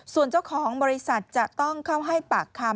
ส่วนเจ้าของบริษัทจะต้องเข้าให้ปากคำ